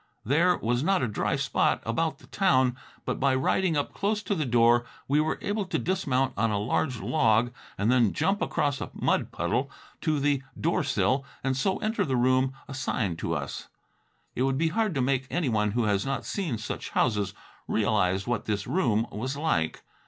There was not a dry spot about the town, but by riding up close to the door, we were able to dismount on a large log, and then jump across a mud puddle to the doorsill, and so enter the room assigned to us. It would be hard to make anyone who has not seen such houses realize what this room was like.